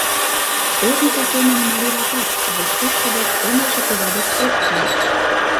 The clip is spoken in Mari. Ожнысо семын марий ватат воштужшо дек, эмлыше кува дек ок кай.